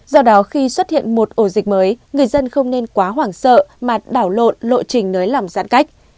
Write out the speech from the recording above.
do đó khi xuất hiện một ổ dịch mới người dân không nên quá hoảng sợ mà đảo lộn lộ trình nới lỏng giãn cách